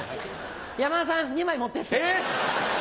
山田さん２枚持ってって。え！